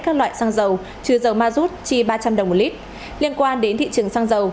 các loại sang dầu trừ dầu ma rút trì ba trăm linh đồng một lít liên quan đến thị trường sang dầu